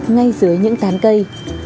ngay dưới những tán cây